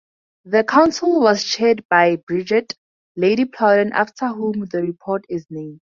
The Council was chaired by Bridget, Lady Plowden after whom the report is named.